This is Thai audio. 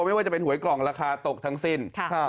ไม่ว่าจะเป็นหวยกล่องราคาตกทั้งสิ้น